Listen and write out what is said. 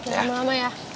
jangan lama lama ya